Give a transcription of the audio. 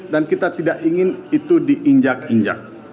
dan kita tidak ingin itu diinjak injak